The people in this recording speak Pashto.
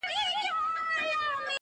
انعامونه درکومه په سل ګوني-